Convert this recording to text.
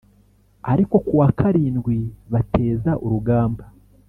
ariko ku wa karindwi bateza urugamba